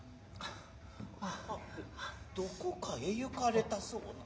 ハテ何処かへ行かれたそうな。